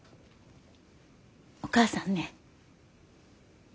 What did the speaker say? お母さんね